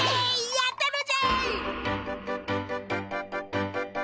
やったのじゃ！